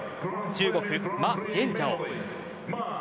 中国、マ・ジャンジャオ。